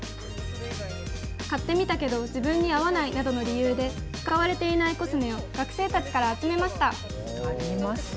買ってみたけど自分に合わないなどの理由で使われていないコスメを学生たちから集めました。